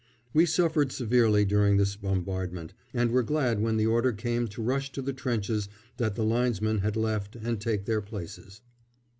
We suffered severely during this bombardment, and were glad when the order came to rush to the trenches that the Linesmen had left and take their places.